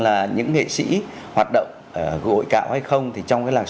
là những nghệ sĩ hoạt động gội cạo hay không thì trong cái làng